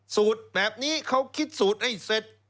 สูตรแบบนี้เขาคิดสูตรให้เสร็จ